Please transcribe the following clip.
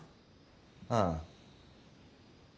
ああ。